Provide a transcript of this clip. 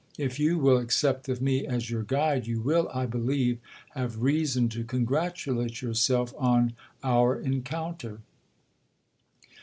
If you will accept of me as your guide, you will, I believe, have reason to congratulate yourself on our encounter.'